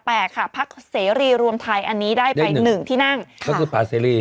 แปลกค่ะพักเสรีรวมไทยอันนี้ได้ไป๑ที่นั่งก็คือป่าเสรี